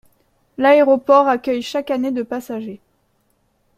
L'aéroport accueille chaque année de passagers.